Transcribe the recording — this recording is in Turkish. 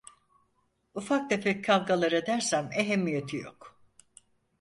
Ufak tefek kavgalar edersem ehemmiyeti yok.